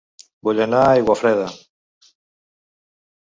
Vull anar a Aiguafreda